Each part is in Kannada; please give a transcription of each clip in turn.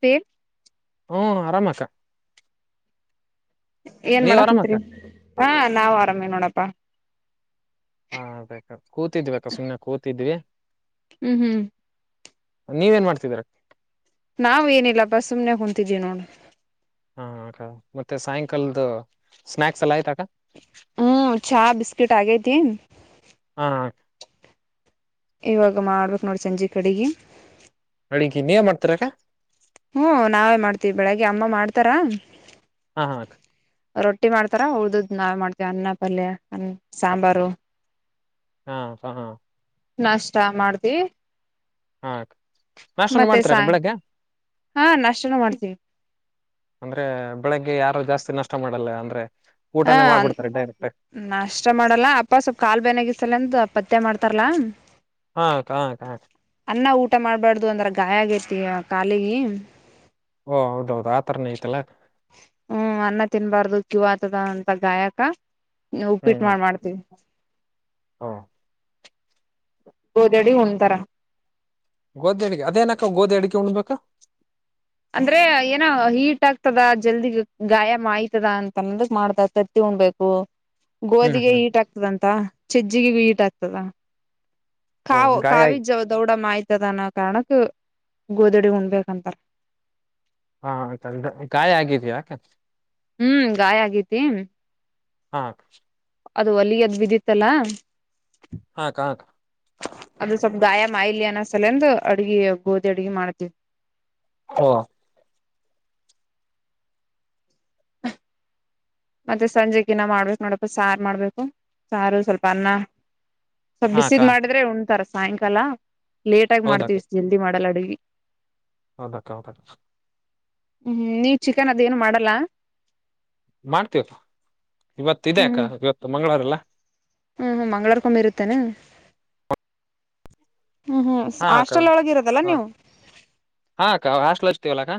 ಪೇ ಹ್ಮ ಆರಾಮಸ ಏನ್ ಮಾಡಕ್ಂತ್ರಿ ಹಾ ನಾವ್ ಆರಾಮೇ ನೋಡಪ್ಪಾ ಹಾ ಬ ಕೂತಿದ್ವಿ ಬಾ ಸುಮ್ನೆ ಕೂತಿದ್ವಿ ಹ್ಮ್ ಹ್ಮ್ ನೀವೇನ್ ಮಾಡ್ತಿದೀರ ನಾವ್ ಏನಿಲ್ಲಪ್ಪ ಸುಮ್ನೆ ಕುಂಟ ತಿಜಿನ ಹಾ ಮತ್ತೆ ಸಾಯಂಕಾಲ್ದ ಹ್ಮ್ ಚಾ ಬಿಿಸಕಿಟ್ ಆಗೈತಿ ಹಾ ಇವಾಗ ಮಾಡ್ಬೇಕಕ್ ನೋಡ್ರ ಸಂಜೆ ಕಡೆಗ ಅಳಗ ನೀವ ಮಾಡ್ತಾರಕ್ಕ ಹ್ಮ ನಾವ ಮಾಡ್ತೀವಿ ಬೆಳಗ್ಗೆ ಅಮ್ಮ ಮಾಡ್ತಾರಾ ಹಾ ಹಾ ರೊಟ್ಟಿ ಮಾಡ್ತಾರ ಉಳ್ದದ್ ನಾವ್ ಮಾಡ್ತೇವಿ ಅನ್ನಪಲ್ಯ ಅ ಸಾಂಬಾರು ಹಾ ಹ ಹಾ ನಷ್ಟ ಮಾಡ್ದ ಹಾ ನಾಷ್ಟನು ಮತ್ತೆ ಮಾಡ್ತೀರಕ್ಕ ಸಾಯ್ ಬೆಳಗ್ಗೆ ಹಾ ನಾಷ್ಟನ ಮಾಡ್ತೀವಿ ಅಂದ್ರೆ ಬೆಳಗ್ಗೆ ಯಾರು ಜಾಸ್ತಿ ನಷ್ಟ ಮಾಡಲ್ಲ ಅಂದ್ರೆ ಹಾ ಊಟನೇ ಮಾಡ್ಬಿಡ್ತಾರೆ ಡೈರೆಕ್ಟ್ ನಾಷ್ಟ ಮಾಡಲ್ಲ ಅಪ್ಪ ಸ್ವಲ್ಪ್ ಕಾಲು ಬೇನಾಗಿಸಲ್ಲ ಅಂದ ಅ ಪತ್ತೆ ಮಾಡ್ತಾರಲ್ಲಾ ಹಾ ಕ ಕ ಅನ್ನ ಊಟ ಮಾಡ್ಬಾರ್ದು ಅಂದ್ರ ಗಾಯ ಆಗಿರ್ತಯ ಕಾಲಗ ಓ ಹೌದೌದು ಆತರನ ಐತಲ್ಲಾ ಅನ್ನ ತಿನ್ನಬಾರದು ಕಿವ ಆತದ ಅಂತ ಗಾಯಕ ನೀ ಉಪ್ಪಿಟ್ಟು ಹ್ಮ್ ಮಾಡ ಮಾಡ್ತೀವಿ ಓ ಓದಡಿ ಒಂತರ ಗೋಧಿ ಅಡಿಕ ಅದೇನಕ್ಕ ಗೋದಿ ಅಡ್ಕೆ ಉಣ್ಬೇಕಾ ಅಂದ್ರೆ ಏನ ಹೀಟ್ ಆಗ್ತದ ಜಲ್ದಿ ಗಾಯ ಮಾಯ್ತದ ಅಂತನ್ನೋದಕ್ ಮಾಡ್ತ ತತ್ತಿ ಉಣ್ಬೇಕು ಹ್ಮ್ ಗೋಧಿಗೆ ಹ್ಮ್ ಈಟ ಆಗ್ತದಂತ ಚಜ್ಜಿಗೆ ಈಟ ಆಗ್ತದೆ ಸ ಓ ಕಾವ ಗಾಯ ಕಾವಿ ಆಗಿ ದೌಡ ಮಾಯ್ತಾ ಇತದನ್ನ ಕಾರಣಕ್ ಗೋಧಡಿ ಉಣ್ಬೇಕಂತಾರ ಹಾ ಆಯತ ಗಾಯ ಆಗಿದ್ಯಾಕ ಹ್ಮ್ ಗಾಯ ಆಗೇತಿ ಹಾ ಅದು ಒಲಿ ಅದ್ ಬಿದಿತ್ತಲ್ಲಾ ಹಾ ಕ್ಕ ಮಾಯಲ್ಯ ಅನ ಸಲಂದು ಅಡ್ಗೆ ಗೋಧಿ ಅಡ್ಗೆ ಮಾಡ್ತವಿ ಓ ಮತ್ತೆ ಸಂಜೆಗ ಇನ್ನ ಮಾಡ್ಬೇಕು ನೋಡ್ಬೇಕು ಸಾರು ಮಾಡ್ಬೇಕು ಸಾರು ಸ್ವಲ್ಪ ಅನ್ನ ಸ್ವಲ್ ಹಾ ಅಕ್ಕ ಬಿಸಿದ್ ಮಾಡಿದ್ರೆ ಉಣ್ಣ ತರ ಸಾಯಂಕಾಲ ಲೇಟಾಗಿ ಮಾಡ್ತೀವಿ ಜಲ್ದಿ ಮಾಡಲ್ಲ ಅಡಿಗಿ ಹೌದ ಕ ಹೌದ ಹ್ಮ್ ನೀವ್ ಚಿಕನ್ ಅದೇಏನು ಮಾಡಲ್ಲ ಮಾಡ್ತೀವ ಇವತ್ತು ಇದೆ ಹ್ಮ್ ಇವತ್ತು ಮಂಗಳವಾರ ಅಲ್ಲ ಹ್ಮ್ ಹ್ಮ ಮಂಗ್ಗಳವರ್ಕೊಂಬಿರುತ್ತೇನು ಹ್ಮ್ ಹ್ಮ್ ಹಾ ಅಕ್ಕ ಹಾಸ್ಟೆಲ್ ಒಳಗಿ ಇರೋದಲ್ಲ ಹ ನೀವು ತ್ತವಲ್ಲ ಕ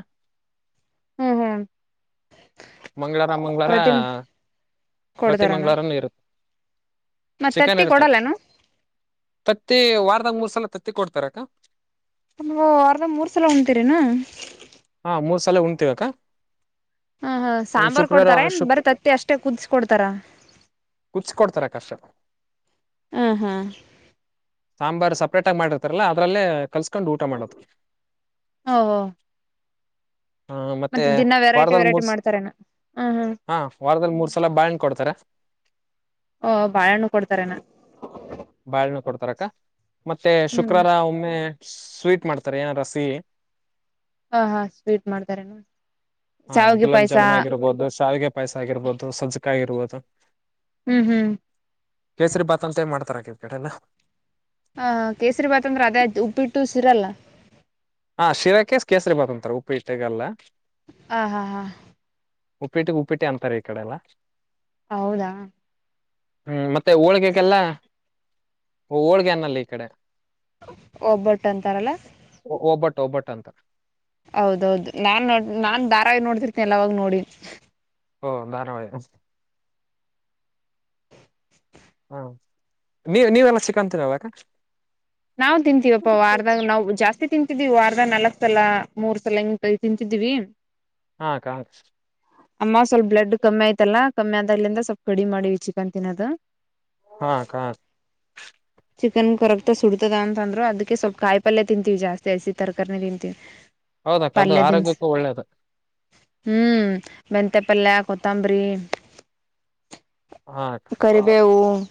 ಹ್ಮ್ ಹ್ಮ್ ಮಂಳವಾರ ಮಂಗ್ಳಾರ ಪ್ರತಿ ಪ್ರತಿ ಕೊಡ್ತಾರನ ಮಂಗ್ಗಳವಾರನ ಇರುತ್ತೆ ಮತ್ ಚಿಕನ್ ತತ್ತಿ ಇರುತ್ತಕ್ ಕೊಡಲ್ಲನು ತತ್ತಿ ವಾರದಾಗ ಮೂರ್ ಸಲ ತತ್ತ ತ್ತೆ ಕೊಡ್ತಾರಕ್ಕ ನವು ಅರ್ಧ ಮೂರ್ ಸಲ ಹೊಣ್ತೀರಿನು ಹಾ ಮೂರ್ ಸಲ ಉಣ್ತಿವಕ್ಕ ಹಾ ಹಾ ಸಾಂಬಾರ್ ಕೊಡ್ತಾರ ಏನ್ ಬರ ತತ್ತಿ ಅಷ್ಟೇ ಕುದಿಸಕ ಕೊಡ್ತಾರ ಕುದಿಸಿ ಕೊಡ್ತಾರಕ್ಕ ಅಷ್ಟೇ ಹ ಹಾ ಸಾಂಬಾರ್ ಸಪ್ರೇಟ್ ಆಗ ಮಾಡಿರ್ತಾರಲ್ಲಾ ಅದ್ರಲ್ಲೇ ಕಲ್ಸ್ಕೊಂಡು ಊಟ ಮಾಡದು ಓಹೋ ಹಾ ಮತ್ತೆ ದಿನ ವೆರೈಟಿ ವಾರದಲ್ಲಿ ವೆರೈಟಿ ಮೂರ್ ಮಾಡ್ತಾರೇನ ಹ್ಮ ಹ್ಮ್ ಹಾ ವಾರದಲ್ಲಿ ಮೂರ್ ಸಲ ಬಾಣ್ ಕೊಡ್ತಾರೆ ಓ ಬಾಳಹಣ್ಣು ಕೊಡ್ತಾರ ನು ಬಾಳ್ನ ಕೊಡ್ತಾರಕ್ಕ ಮತ್ತೆ ಹ್ಮ್ ಶುಕ್ರಾರ ಒಮ್ಮೆ ಸ್ವೀಟ್ ಮಾಡ್ತಾರೆ ಏನ ಸಿಹಿ ಹಾ ಹಾ ಸ್ವೀಟ್ ಮಾಡ್ತಾರನು ಹಾ ಗುಲಾಬ್ ಜಾಮೂನ್ ಆಗಿರ್ಬೋದು ಶಾವಿಗೆ ಪಾಯಸ್ಸ ಆಗಿರ್ಬೋದು ಸಜ್ಜಕ ಆಗಿರ್ಬೋದು ಹ ಹೂ ಹೂ ಕೇಸರಿ ಭಾತ್ ಅಂತ ಏ ಮಾಡ್ತಾರ ಕರ್ಿಕೆಟ್ ನಾ ಹ ಕೇಸರಿ ಭಾತ್ ಅಂದ್ರೆ ಅದೇ ಉಪ್ಪಿಟ್ಟು ಸಿರಲ್ಲ ಹಾ ಶಿರಾಕೇ ಕೇಸರಿ ಬಾತ ಅಂತಾರ ಉಪ್ಪು ಇಟ್ಟಗಲ್ಲ ಹ ಹಾ ಹಾ ಉಪೇಟಿ ಉಪಿಟಿ ಅಂತಾರೆ ಈ ಕಡೆಲ್ಲ ಹೌದಾ ಹೂ ಮತ್ತೆ ಮತ್ತೆ ಹೋಳಿಗೆಯಲ್ಲ ಓ ಹೋಳ್ಗೆ ಅನಲ್ಲ ಈ ಕಡೆ ಒಬ್ಬಟ್ಟು ಅಂತಾರಲ್ಲ ಒಬ್ಬಟ್ಟು ಓಬ್ಬಟ್ಟು ಅಂತರ ಹೌದೌದು ನಾನ್ ನೋ ನಾನ್ ಧಾರಾವಯಿ ನೋಡ್ತಿರ್ತೇನಿ ಎಲ್ಲವಾಗ ನೋಡಿ ಓ ಧಾರವಾಯಿ ಹಾ ನೀ ನೀವೆಲ್ಲ ಸಿಿಕಂತೀರವಕ ನಾವ್ ತಿಂತೀವಪ್ಪ ವಾರದಾಗ ನಾವು ಜಾಸ್ತಿ ತಿಂತಿದೀವಿ ವಾರದ ನಾಕ್ ಸಲ ಮೂರ್ ಸಲ ಇಂಗ ತಿಂತಿದಿವವಿ ಹಾ ಕ ಅಮ್ಮ ಸ್ವಲ್ಪ್ ಬ್ಲಡ್ ಕಮ್ಮಿ ಆಯ್ತಲ್ಲಾ ಕಮ್ಮಿ ಆದ ಇಲ್ಲಿಂದ ಸ್ವಲ್ಪ ಕಡಿ ಮಾಡಿವವಿ ಚಿಕನ್ ತಿನ್ನೋದು ಹಾ ಕ ಚಿಕನ್ ಕೊರ ಮ ಸುಡತದ ಅಂತಂದ್ರರು ಅದ್ಕ್ಕೆ ಸ್ವಲ್ಪ ಕಾಯಿ ಪಲ್ಯ ತಿಂತೀವಿ ಜಾಸ್ತಿ ಹಸಿ ತರಕಾರಿ ತಿಂತೀವಿ ಹೌದಕ್ಕ ಅದು ಆರೋಗ್ಯಕ್ಕೂ ಒಳ್ಳೇದು ಹೂ ಮೆಂತೆೆಪಲ್ಯ ಕೊತ್ತಂಬರಿ ಹಾ ಅಕ್ಕ ಕರಿಬೇವು ಹ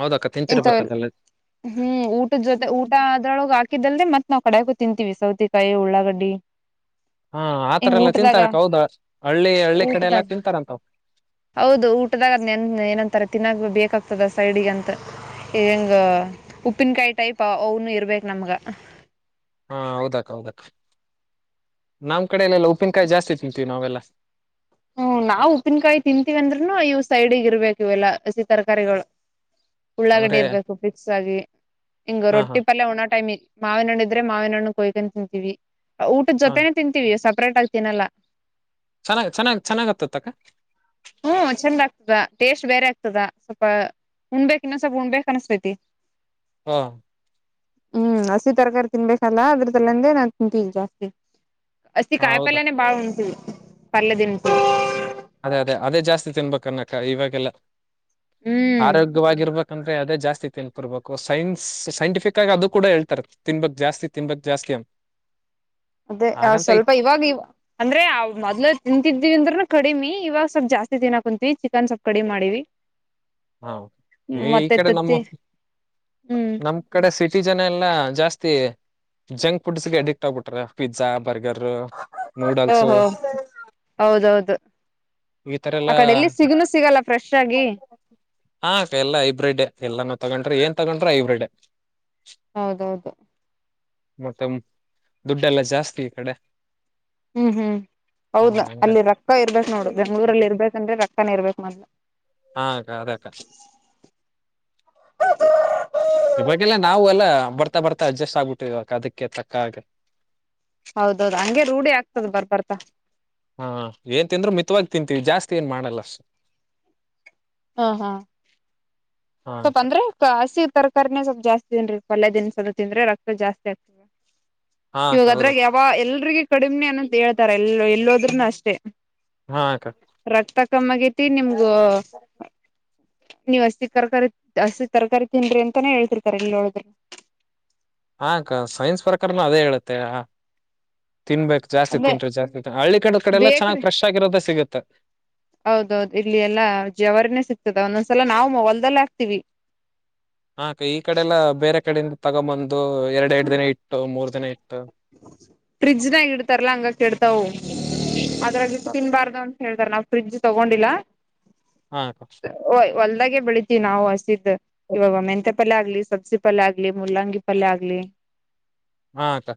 ಹೌದಕ್ಕ ತಿಂತಿರ್ಬೇಕ ಎಂತವಲ್ಲ ಅದೆಲ್ಲ ಹೂ ಊಟದ ಜೊತೆ ಊಟ ಅದ್ರೊಳಗೆ ಹಾಕಿದ್ದಲ್ದೆೇ ಮತ್ತೆ ನಾವು ಕಡಕೂ ತಿಂತೀ ವಿಿಸವತಿ ಕಾಯ ಉಳ್ಳಾ ಗಡ್ಡಿ ಹಾ ಹ ಆತರ ಎಲ್ಲ ಊಟದಾಗ ತಿಂತಾರಕ್ಕ ಹೌದಾ ಹಳ್ಳಿ ಹಳ್ಳಿ ಕಡೆ ಎಲ್ಲಾ ಊಟದಾಗ ತಿಂತಾರಂತಾವ್ ಹೌದು ಊಟದಾಗದ ನೆನ್ ಏನಂತಾರೆ ತಿನ್ನಾಗ ಬೇಕಾಗ್ತದೆ ಸೈಡಿಗೆ ಅಂತ ಹೆಂಗ ಉಪ್ಪಿನಕಾಯಿ ಟೈಪ್ ಅವನು ಇರ್ಬೇಕ ನಮ್ಗ ಹಾ ಹೌದಕ್ಕ ಹೌದಕ್ಕ ನಮ್ ಕಡೆನೆಲ್ಲ ಉಪ್ಪಿನಕಾಯಿ ಜಾಸ್ತಿ ತಿಂತೀವಿ ನಾವೆಲ್ಲ ಹೂ ನಾವು ಉಪ್ಪಿನಕಾಯಿ ತಿಂತೀವಿಂದ್ೂನು ಇವು ಸೈಡ್ಗ ಇರ್ಬೇಕ ಇವೆಲ್ಲಾ ಹಸಿ ತರಕಾರಿಗಳು ಉಳ್ಳಾಗಡಿ ಅಂದ್ರೆ ಇರ್ಬೇಕು ಫಿಕ್ಸ್ ಆಗಿ ಹಿಂಗೇ ಹಾ ಹಾ ರೊಟ್ಟಿ ಪಲ್ಯ ಒಣಾ ಟೈಮ್ ಮಾವಿನಣ್ಣಿದ್ರೆ ಮಾವಿನಣ್ಣು ಕೊಯ್ಕೊಂಡು ತಿಂತೀವಿ ಊಟದ ಹಾ ಜೊತೆನೆ ತಿಂತೀವಿ ಸ ಅಪ್ರಾಟ್ ಆಗ್ತೀನಲ್ಲ ಚೆನ್ನಾಗ ಚೆನ್ನಾಗ್ ಚೆನ್ನಾಗತ್ತತಕ್ಕ ಹ್ಮ ಚಂದ ಆಗ್ತದ ಟೇಸ್ಟ್ ಬೇರೆ ಆಗ್ತದ ಸ್ವಲ್ಪ ಉಣ್ಬೇಕಕ್ ಇನ್ನೊಂದ್ ಸ್ವಲ್ಪ ಉಣ್ಬೇಕಕ್ ಅನಸ್ತೈತಿ ಹ್ಮ ಹ್ಮ್ ಹಸಿ ತರಕಾರಿ ತಿನ್ಬೇಕಲ್ಲ ಅದ್ರ್ದಲ್ಲಂದೆ ನಾನ್ ತಿಂತೀವಿ ಜಾಸ್ತಿ ಅಸ್ತಿ ಕಾಯ ಹೌದಾ ಪಲ್ಲನೆ ಬಾಳ ಉಂಟ ಪಲ್ಲದಿನಪ ಅದೇ ಅದೇ ಅದೇ ಜಾಸ್ತಿ ತಿನ್ಬೇಕ ಅನ್ನಕ್ಕ ಇವಾಗೆಲ್ಲ ಹ್ಮ್ ಆರೋಗ್ಯವಾಗಿರ್ರುವ ಯಾಕಂದ್ರ ಅದ ಜಸ್ತಿ ತಿನ್ಕೊರ್ಬೇಕು ಸೈನ್ಸ್ ಸೈಂಟಿಫಿಕ್ ಆಗಿ ಅದು ಕೂಡ ಹೇಳ್ತಾರೆ ತಿನ್ಬಕ್ ಜಾಸ್ತಿ ತಿನ್ಬಕ್ ಜಾಸ್ತಿ ಅ ಅದೇ ಸ್ವಲ್ಪ ಇವಾಗ ಅಂದ್ರೆ ಆ ಮೊದ್ ತಿಂತಿದ್ದೀವಿ ಅಂದ್ರ ಕಡಿಮಿ ಇವಾಗ ಸ್ವಲ್ಪ್ ಜಾಸ್ತಿ ತಿನ್ನಾಕ್ ಕುಂತ್ೀವಿ ಚಿಕನ್ ಸ್ವಲ್ಪ್ ಕಡಿಮೆ ಮಾಡಿವಿ ಹಾ ಈ ಮತ್ತೆ ಕಡೆ ನಮ್ಮ ತತ್ತಿ ಹ್ಮ್ ನಮ್ ಕಡೆ ಸಿಿ ಪ್ರತಿ ಜನ ಎಲ್ಲಾ ಜಾಸ್ತಿ ಜಂಕ್ ಫುಡ್ಸ್ಗೆ ಅಡಿಕ್ಟ್ ಆಗ್ಬಿಟ್ರ ಪಿಜಜಾ ಓಹೋ ಹೌದೌದು ಈ ತರ ಆ ಎಲ್ಲಾ ಕಡೆ ಎಲ್ಲಿ ಸಿಗನು ಸಿಗಲ್ಲ ಫ್ರೆಶ್ ಆಗಿ ಹಾ ಕ ಎಲ್ಲ ಹೈಬ್ರಿಡ್ ಎಲ್ಲಾನೂ ತಗೊಂಡ್ರೆ ಏನ್ ತಗೊಂಡ್ರೆ ಹೈಬ್ರಿಡ್ ಹೌದೌದು ಮತ್ತ ದುಡ್ಡೆಲ್ಲಾ ಜಾಸ್ತಿ ಈ ಕಡೆ ಹ್ಮ್ ಹ್ಮ್ ಹಾ ಹೌದ ಅಲ್ಲಿ ಹಂಗಾಗಿ ರೊಕ್ಕ ಇರ್ಬೇಕು ನೋಡು ಹ್ಮ್ ಬೆಂಗ್ಳೂರಲ್ಲಿ ಇರ್ಬೇಕಂದ್ರೆ ರೊನ ಇರ್ಬೇಕು ಮ ಹಾಕ್ಕ ಅದಕ್ಕ ಇವಾಗೆಲ್ಲ ನಾವು ಎಲ್ಲ ಬರ್ತಾ ಬರ್ತಾ ಅಡ್ಜಸ್ಟ್ ಆಗ್ಬಿಟ್ಟಿ ಇವ ಅದಕ್ಕೆ ತಕ್ಕ ಹಾಗ ಹೌದೌದು ಹಂಗಗೆ ರೂಢಿ ಆಗ್ತದೆ ಬರ್ಬರ್ತ ಹಾ ಏನ್ ತಿಂದ್ರು ಮಿತವಾಗಿ ತಿಂತೀವಿ ಜಾಸ್ತಿ ಏನ್ ಮಾಡಲ್ಲ ಸ ಹಾ ಹಾ ಹಾ ಸ್ವಲ್ಪ ಅಕ್ಕ ಅಂದ್ರೆ ಹಸಿ ತರಕಾರಾರಿೇ ಸ್ವಲ್ಪ ಜಾಸ್ತಿ ತಿಂದನ್್ರರಿ ಪಲ್ಯ ದಿನಸಲ ತಿಂದ್ರೆ ರಕ್ತ ಜಾಸ್ತಿ ಆಗ್ತದೆ ಹಾ ಅಕ್ಕ ಇವಾಗ ಅದ್ರಾಗ ಹೌದಕ್ಕ ಯಾವ ಎಲ್ರಿಗ ಕಡಿಮನೆ ಅನ್ನಂತ ಹೇಳ್ತಾರ ಎಲ್ಲೋ ಎಲ್ಲೋದ್ರೂನು ಅಷ್ಟೇ ಹಾ ಅಕ್ಕ ರಕ್ತ ಕಮ್ಮ ಆಗೈತಿ ನಿಮ್ಗೂ ನೀವಸ್ತಿ ಕರ್ಕ ಹಸತಿ ತರಕಾರಿ ತಿನ್್ರಿ ಅಂತಾನೇ ಹೇಳ್ತಿರ್ತಾರೆ ಎಲ್ಲಿೋಳಿದ್ರ ಹಾ ಸೈನ್ಸ್ ಪ್ರಕಾರನ ಅದೇ ಹೇಳುತ್ತೆ ತಿನ್ಬೇಕು ಜಾಸ್ತಿ ಅದೇ ತಿನ್ಿ ಜಾತಿ ಹಳ್ಳ ಕಡೆ ಕಡೆಲ್ಲ ಬೇಕ್ರಿ ಚನ್ನಾಗಿಫ್ರೆ್ ಆಗಿರೋದ ಸಿಗುತ್ತೆ ತ ಹೌದೌದು ಇಲ್ಲಿ ಎಲ್ಲಾ ಜವಾರಿನೇ ಸಿ ಗ್ತದ್ ಒಂದೊಂದ್ಸಲ ನಾವು ಮೊಬೈಲ್ದಲ್ಲೆ ಹಾಕ್ತಿವಿ ಹ ಕ್ಕಾ ಈ ಕಡೆ ಎಲ್ಲಾ ಬೇರೆ ಕಡೆಯಿಂದ ತಗೊಬಂದ ಇದು ಎರಡೆರಡ ದಿನ ಇಟ್ಟು ಮೂರ್ ನ ಇಟ್ಟು ಫ್ರಿಜ್ನಾಗ ಇಡ್ತಾರಲ್ಲಾ ಹಂಗಾಗ ಕೆಡ್ತವು ಅ ಇದ್ರಾಗ ಇಟ್ಟ ತಿನ್ಬಾರ್ದು ಅಂತ ಹೇಳ್ದಾರ ನಾವು ಫ್ರಿಡ್ಜ್ ತಗೊಂಡಿಲ್ಲಾ ಹ್ಮಾ ಅಕ್ಕಾ ಹೊಲ್ದಾಗೆ ಬೆಳಿತೀವಿ ನಾವು ಹಸಿದ್ ಇವಾಗ ಮೆಂಂತೆ ಪಲ್ಯ ಆಗ್ಲಿ ಸಬ್ಸಿ ಪಲ್ಯ ಆಗ್ಲಿ ಮುಲ್ಲಂಗಿ ಪಲ್ಯ ಆಗ್ಲಿ ಹಾ ಅಕ್ಕಾ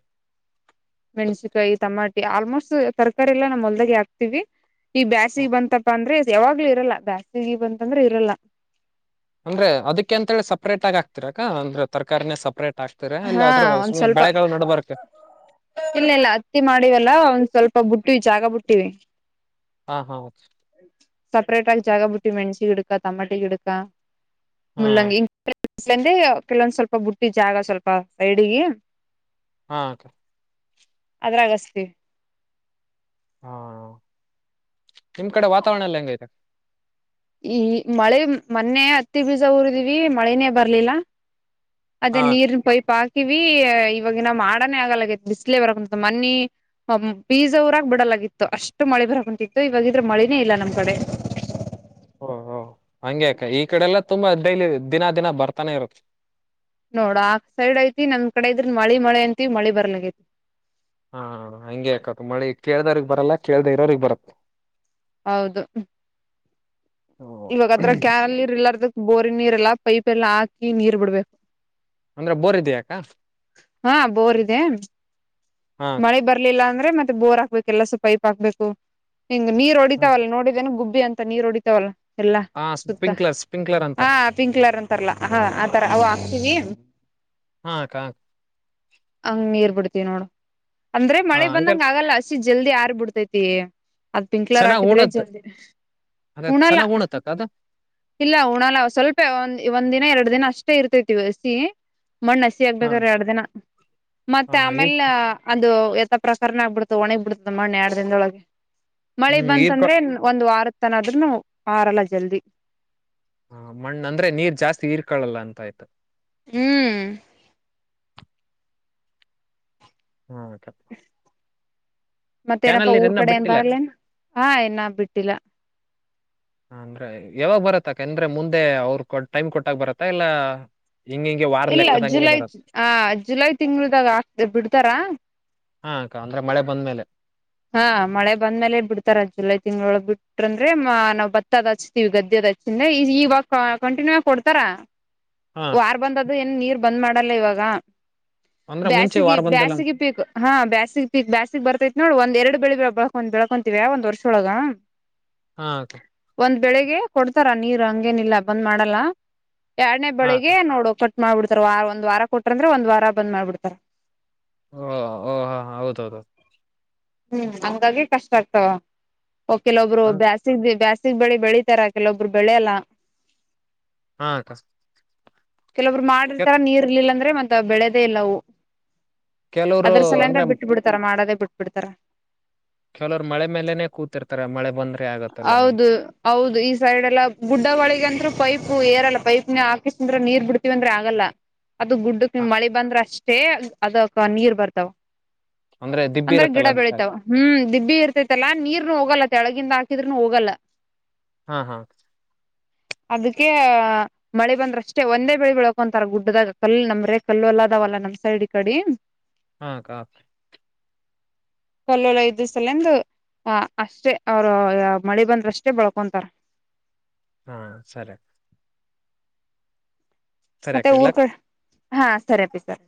ಮೆನ್ಸಿಕಾಯಿ ಟಮಾಟಿ ಆಲ್ಮೋಸ್ಟ್ ತರಕಾರಿ ಎಲ್ಲಾ ನಮ್ಮೊಲ್ದಾಗೆ ಹಾಕ್ತಿವಿ ಈ ಬ್ಯಾಸಿಗಿ ಬಂತಪ ಅಂದ್ರೆ ಯಾವಾಗ್ಲೂ ಇರಲ್ಲ ಬ್ಯಾಸಿಗಿ ಬಂತಂದ್ರೆ ಇರಲ್ಲಾ ಅಂದ್ರೆ ಅದಕ್ಕೆ ಅಂತೇಳಿ ಸಪ್ರೇಟ್ ಆಗ ಹಾಕ್ತಿರಕ್ಕ ಅಂದ್ರೆ ತರಕಾರಿನೇ ಸಪ್ರೇಟ್ ಹಾಕ್ತಿರಾ ಇಲ್ಲ ಹಾ ಅದ್ರ ಒಂದ್ ಸುಮ್ನೆ ಸ್ವಲ್ಪ ಬೆಳೆಗಳ ನಡಬರ್ಕ ಇಲ್ಲ ಇಲ್ಲ ಅತ್ತಿ ಮಾಡಿವಲ್ಲ ಒಂದ್ ಸ್ವಲ್ಪ ಬುಟ್ಟಿವಿ ಜಾಗ ಬು ಟ್ಟಿವಿ ಹಾ ಹಾ ಸಪರೇಟ್ ಆಗಿ ಜಾಗಾಬಿಟ್ಟಿವಿ ಮೆಣಸಿಗಿಡಕ್ ತ ತಮಾಟಿ ಗಿಡಕ್ಕ ಹಾ ಮುಲ್ಲಂಗಿ ಸಂದೆ ಕೆಲವೊಂದ ಸ್ವಲ್ಪ ಬುಟ್ಟಿವಿ ಜಾಗಾ ಸ್ವಲ್ಪ್ ಬಾ ಸೈಡಿಗಿ ಹಾ ಅದ್ರಾಗಚ್ತಿವಿ ಹಾ ನಿಮ್ಮ ಕಡೆ ವಾತಾವರಣ ಎಲ್ಲ ಹೆಂಗೈತೆ ಈ ಮಳೆ ಮೊನ್ನೆ ಹತ್ತಿ ಬೀಜ ಊರಿದೀವಿ ಮಳೆನೇ ಬರ್ಲಿಲ್ಲ ಅದೇ ಹಾ ಅಕ್ಕ ನೀರಿನ ಪೈಪ್ ಹಾಕ್ ಹಾಕಿವಿ ಇವಾಗಿನ ಮಾಡಣೆ ಆಗಲ್ಲಾಗೇತಿ ಬಿಸಿಲೆ ಬರಕತ್ತದ ಮನ್ನಿ ಮ ಬೀಜ ಊರಾಕ್ ಬಿಡಲ್ಲಾಗಿತ್ತ ಅಷ್ಟ್ ಮಳಿ ಬರಾಕತ್ತಿತ್ತ ಇವಗಿದ್ರ್ ಮಳಿನೇ ಇಲ್ಲಾ ನಮ್ಮ ಕಡೆ ಓ ಹೊ ಹಂಗೆ ಅಕ್ಕಾ ಈ ಕಡೆ ಎಲ್ಲಾ ತುಂಬಾ ಡೈಲಿ ದಿನಾ ದಿನ ಬರ್ತಾನೆ ಇರುತ್ತೆ ನೋಡ ಆ ಸೈಡ್ ಐತಿ ನಮ್ ಕಡೆ ಇದ್ರ ಮಳಿ ಮಳಿ ಅಂತೀವಿ ಮಳಿ ಬರಲ್ಲಾಗೇತಿ ಹಾ ಹಂಗೆ ಅಕ್ಕಾ ಮಳಿ ಕೇಳ್ದವ್ರಗ್ ಬರಲ್ಲ ಕೇಳ್ದೆ ಇರೋವ್ರಿಗ ಬರತ್ತ ಹೌದು ಓ ಇವಾಗ ಅದ್ರಾಗ ಕ್ಯಾಲ್ಲಿರ್ ಇಲ್ಲಾರದಕ್ ಬೋರ್ ನೀರೆಲ್ಲಾ ಪೈಪ್ ಎಲ್ಲಾ ಹಾಕಿ ನೀರ್ ಬಿಡ್ಬೇಕು ಅಂದ್ರೆ ಬೋರ್ ಇದಿಯಾ ಅಕ್ಕಾ ಬೋರ್ ಇದೆ ಮಳಿ ಬರ್ಲಿಲ್ಲ ಅಂದ್ರೆ ಮತ್ತೆ ಬೋರ್ ಹಾಕ್ಬೇಕ ಎಲ್ಲ ಸೊಪೈಪ್ ಹಕ್ಬೇಕು ಹಿಂಗ ನೀರ್ ಹೊಡಿತಾವಲ್ಲ ನೋಿದೇ ಗುಬ್ ಅಂತ ನೀರು ಹೊಡಿತಾವಲ್ಲ ಎಲ್ಲಾ ಹಾ ಸುತ್ತ ಸ್ಪಿಂಕ್ಲರ್ ಸ್ಪಿಂಕ್ಲರ್ ಹ ಅಂತಾರ ಪಿಂಕ್ ಕಲರ್ ಅಂತಾರಲ್ಲಾ ಹ ಆತರ ಅವು ಹಾಕ್ತೀವಿ ಹಾಕ್ಕ ಹಂಗ ನೀೀರ್ ಬಿಡ್ತೀವಿ ನೋಡು ಅಂದ್ರೆ ಹಾ ಮಳೆ ಬಂದಂಗ ಅಂಕಲ್ ಆಗಲ್ಲ ಅಷ್ಟ ಜಲ್ದಿ ಆರ್ ಬಿಿಡ್ತೈತಿ ಅದ್ ಪಿಂಕ್ ಕಲರ್ ಚೆನ್ನಾಗ್ ಹಾಕಿದ್ರೆ ಉಣತ್ ಜಲ್ದಿ ಅದ ಉಣಾಲ ಚೆನ್ನಾಗ್ ಉಣತಕ್ಕ ಅದು ಇಲ್ಲ ಉಣಾಲ ಸ್ವಲ್ಪ ಒಂದ್ ದಿನ ಎರಡು ದಿನ ಇಷ್ಟ ಇರ್ತೈ ದಿವಸಿ ಮಣ್ಣ ಹಸಿ ಹಾ ಆಗ್ಬೇಕ್ರ ಎರಡ್ ದಿನ ಹಾ ಮತ್ತೆ ಆಮೇಲ್ ಈರ್ಕ ಇದು ಎಥ ಪ್ರಕಾರನ ಆಗ್ಬಡತ ಒಣಗ್ ಬಿಡತದ ಮಣ್ಣ ಎಡು ದಿನದೊಳಗೆ ಮಳೆ ಹ್ಮ್ ಈರ್ಕ ಬಂತಂದ್ರೆ ಒಂದು್ ವಾರ ತಾನ ಅದ್ರ ನ ಆಾರಲ್ಲ ಜಲ್ದಿ ಹ ಮಣ್ಣ ಅಂದ್ರೆ ನೀರ್ ಜಾಸ್ತಿ ಇರ್ಕಳಲ್ಲ ಅಂತ ಆಯ್ತು ಹ್ಮ್ ಹಾ ತಪ್ಪ ಮತ್ತೇನಪ್ಪಾ ಊರ್ ಕಡೆ ಏನ್ ಅಕ್ಕ. ಬರಲ್ಲೇ ಹಾ ಏನ ಬಿಟ್ಟಿಲ್ಲ ಹ ಅಂದ್ರೆ ಯಾವಾಗ ಬರತ್ತಕಂದ್ರೆ ಮುಂದೆ ಅವ್ರ ಕೊ ಟೈಮ್ ಕೊಟ್ಟಕ್ ಬರತ್ತ ಇಲ್ಲ ಹಿಂಗ ಹಿಂಗೆ ವಾರ ಇಲ್ಲ ಲೆಕ್ಕದಂಗೆ ಜುಲೈ ಬರತ್ತ ಆ ಜುಲೈ ತಿಂಗಳದಾಗ ಆ ಬಿಡ್ತಾರ ಹಾ ಅಕ್ಕ ಅಂದ್ರೆ ಮಳೆ ಬಂದ್ಮೇಲೆ ಹಾ ಮಳೆ ಬಂದ್ಮೇಲೆ ಬಿಡ್ತಾರ ಜುಲೈ ತಿಂ್ಗಳೊಳ ಬಿಟ್ರ ಅಂದ್ರೆ ನಾವ್ ಭತ್ತದ್ ಹಚ್ತಿೀವಿ ಗದ್ದೆ ಅ್ ಹಚ್ಚಿದ್ರೆ ಈ ಈವಾಗ ಕಂಟಿನ್ಯೂ ಆಗಿ ಕೊಡ್ತಾರ ಹಾ ಅಕ್ಕ ವಾರ ಬಂದದು ಏನ್ ನೀರ್ ಬಂದ್ ಮಾಡಲ್ಲ ಇವಾಗ ಅಂದ್ರೆ ಮುಂಚೆ ಬೇಾಸಿಗೆ ವಾರ ಬಂದಲ್ಲ ಬೇಾಸಿಗೆ ಪೀಕ್ ಹಾ ಬೇಾಸಿಗೆ ಪೀಕ್ ಬೇಾಸಿಗೆ ಬರ್ತೈತ್ ನೋಡ್ ಒಂದ ಎರಡು ಬೆಳಿ ಬೆಳ್ಕೊಂಡ್ ಬೆಳ್ಕೊಂತೀವ್ಯಾ ಒಂದ್ ವರ್ಷೊಳಗ ಹಾ ಒಂದ್ ಬೆಳಿಗ್ಗೆ ಕೊಡ್ತಾರ ನೀರು ಹಂಗೇನಿಲ್ಲ ಬಂದ್ ಮಾಡಲ್ಲ ಎರಡನೇ ಹಾ ಅಕ್ಕ ಬೆಳಿಗ್ಗೆ ನೋಡೋ ಕಟ್ಟ ಮಾಡ್ಬಿಡ್ತಾರ ವಾರ ಒಂದ್ ವಾರ ಕೊಟ್ರಂದ್ರೆ ಒಂದ್ ವಾರ ಬಂದ್ ಮಾಡ್ಬಿಡ್ತಾರ ಓ ಓ ಹಾ ಹೌದ ಹೌದುೌದು ಹ್ಮ್ ಹಂಗಾಗಿ ಕಷ್ಟ ಆಗ್ತ ಕೆಲ ಒಬ್ರು ಅನ್- ಬ್ಯಾಸ ಬ ಗ್ ಬೆಳಿ ಬೆಳಿತಾರ ಕೆಲವೊಬ್ರು ಬೆಳೆಯಲ್ಲ ಹಾ ಅಕ್ಕ ಕೆಲವರು ಕೆ- ಮಾಡಿರ್ತಾರ ನೀರ್ ಇರ್ಲಿಲ್ಲ ಅಂದ್ರೆ ಮತ್ ಬೆಳೆದೇ ಇಲ್ಲವು ಕೆಲವ್ರು ಅದ್ರ ಸಲ ಅಂದ ಅಂದ್ರೆ ಬಿಟ್ಟ ಬಿಡ್ತಾರ ಮಾಡೋದೇ ಬಿಡ್ತಾರಾ ಕೆಲವ್ರು ಮಳೆ ಮೇಲೆೇನೆ ಕೂತಿರ್ತಾರ ಮಳೆ ಬಂದ್ರೆ ಆಗತ್ತಲ್ಲ ಅಂತ ಹೌದು ಹೌದು ಈ ಸೈಡ್ಲ್ಲ ಗುಡ್ಡ ಒಳಿಗಂತ್ರು ಪೈಪ್ು ಏರೆಲ್ಲ ಪೈಪ್ ನ ಹಾಕಿಸ್ಂದ್ರೆ ನೀರ್ ಬಿಡ್ತಿವಿವಂದ್ರೆ ಆಗಲ್ಲ ಅದು ಗುಡ್ಡಕ್ ಹಾ, ನಿಮ್ ಮಳ ಬಂದ್ರ ಅಷ್ಟೆ ಅಷ್ಟೇ ಅದಕ್ಕ ನೀರ್ ಬರ್ತಾವ ದಿಬ್ಬಿ ಅಂದ್ರೆ ಗಿಡ ಇರತ್ತಲ್ಲ ಅದಕ್ಕಾಗಿ ಬೆಳಿತಾವ ಹ್ಮ್ ದಿಬ್ಬಿ ಇರ್ತೈತಲ್ಲಾ ನೀರ್ನು ಹೋಗಲ್ಲ ಕೆಳಗಿಂದ ಿದ್ರನು ಹೋಗಲ್ಲ ಹಾ ಹಾ ಅದಕ್ಕೆ ಮಳೆ ಬಂದ್ರಷ್ಟೆ ಒಂದೇ ಬೆಳೆ ಬೆಳಕೊಂತಾರ ಗುಡ್ಡದಾಗ ಕಲ್ಲ ನಮ್ರೆ ಕಲ್ಲು ಅಲ್ಲದಾವಲ್ಲ ನಮ್ ಸೈಡ್ ಕಡಿ ಹಾ ಕ ಕಲ್ಲೋೊಳ್ಳ ಐದು ಸಲಂದು ಅಷ್ಟೇ ಅವರು ಮಳೆ ಬಂದ್ರಷ್ಟೇ ಬಳ್ಕೊಂತಾರ ಹಾ ಸರಿ ಸರಿ ಮತ್ತೆ ಅಕ್ಕ ಊರ್ ಇಡ್ಲಾ ಕ ಹಾ ಸರಿ ಅಪ್ಪಿ ಸರ್